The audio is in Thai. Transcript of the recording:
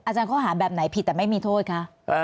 ข้อหาแบบไหนผิดแต่ไม่มีโทษคะ